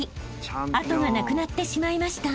［後がなくなってしまいました］